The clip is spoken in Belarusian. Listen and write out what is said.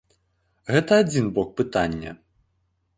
Гэта адзін бок пытання.